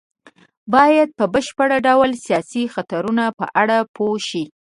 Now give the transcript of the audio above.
بايد په بشپړ ډول د سياسي خطرونو په اړه پوه شي.